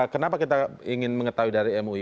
kenapa kita ingin mengetahui dari mui